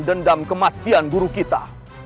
dendam kematian guru kita